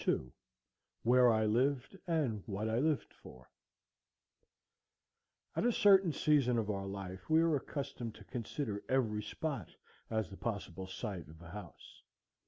CAREW Where I Lived, and What I Lived For At a certain season of our life we are accustomed to consider every spot as the possible site of a house.